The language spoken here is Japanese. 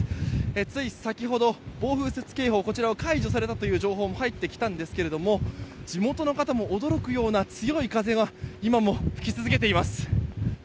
つい先ほど、暴風雪警報がこちらは解除されたという情報が来ているんですけども地元の方も驚くような強い風は今も吹き続けています。